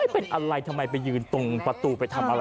เป็นอะไรทำไมไปยืนตรงประตู